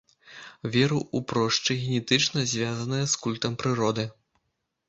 Вера ў прошчы генетычна звязаная з культам прыроды.